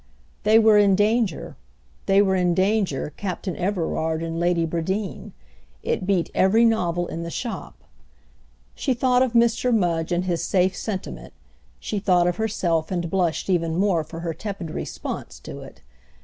They were in danger, they were in danger, Captain Everard and Lady Bradeen: it beat every novel in the shop. She thought of Mr. Mudge and his safe sentiment; she thought of herself and blushed even more for her tepid response to it.